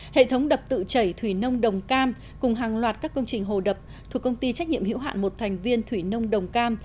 hệ thống đập tự chảy thủy nông đồng cam cùng hàng loạt các công trình hồ đập thuộc công ty trách nhiệm hiểu hạn một thành viên thủy nông đồng cam